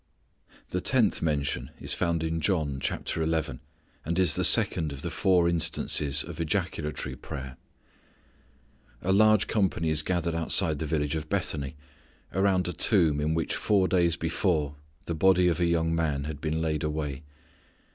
The tenth mention is found in John, chapter eleven, and is the second of the four instances of ejaculatory prayer. A large company is gathered outside the village of Bethany, around a tomb in which four days before the body of a young man had been laid away.